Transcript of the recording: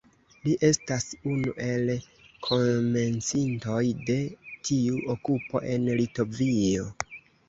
Li estas unu el komencintoj de tiu okupo en Litovio.